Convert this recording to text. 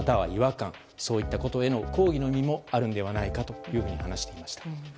そういったことが抗議の意味もあるのではないかというふうに話していました。